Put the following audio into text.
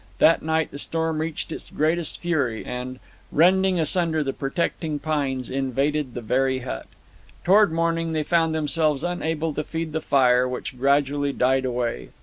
That night the storm reached its greatest fury, and, rending asunder the protecting pines, invaded the very hut. Toward morning they found themselves unable to feed the fire, which gradually died away.